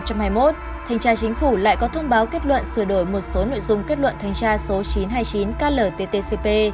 thanh tra chính phủ lại có thông báo kết luận sửa đổi một số nội dung kết luận thanh tra số chín trăm hai mươi chín klttcp